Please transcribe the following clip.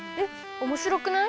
おもしろくない？